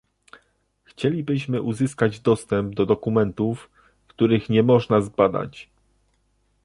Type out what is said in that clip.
Chcielibyśmy uzyskać dostęp do dokumentów, których nie można zbadać